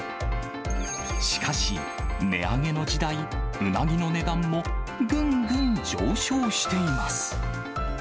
しかし、値上げの時代、うなぎの値段もぐんぐん上昇しています。